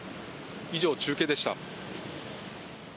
以上、中継でした。